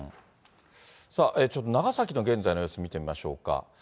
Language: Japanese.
さあ、ちょっと長崎の現在の様子、見てみましょうか。